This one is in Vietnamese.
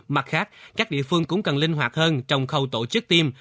mặt khác các địa phương cũng cần linh hoạt hơn trong khâu tổ chức tiêm